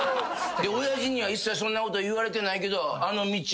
親父には一切そんなこと言われてないけど。